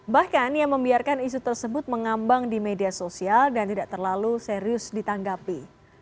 bahkan yang membiarkan isu tersebut mengambang di media sosial dan tidak terlalu serius ditanggapi